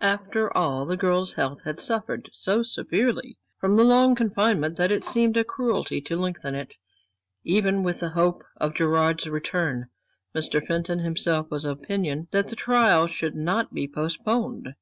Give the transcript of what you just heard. After all, the girl's health had suffered so severely from the long confinement that it seemed a cruelty to lengthen it, even with the hope of Gerard's return. Mr. Fenton himself was of opinion that the trial should not be postponed.